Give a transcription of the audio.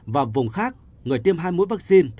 và vùng khác người tiêm hai mũi vaccine